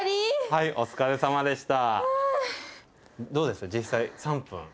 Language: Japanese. はいお疲れさまでした。